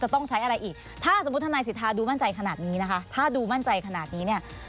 ถ้าดูมั่นใจขนาดนี้